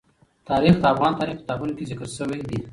تاریخ د افغان تاریخ په کتابونو کې ذکر شوی دي.